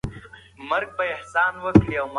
د پيغمبر ﷺ مینه په اطاعت کې نغښتې ده.